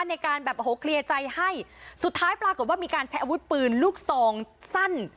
ในการแบบโอ้โหเคลียร์ใจให้สุดท้ายปรากฏว่ามีการใช้อาวุธปืนลูกซองสั้น